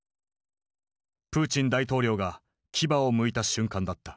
プーチン大統領が牙をむいた瞬間だった。